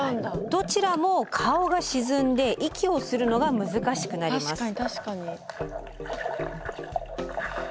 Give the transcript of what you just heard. どちらも顔が沈んで息をするのが難しくなります。